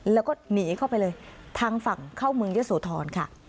แล้วก็หนีเข้าไปเลยทางฝั่งเข้าเมืองเยอะโสธรค่ะ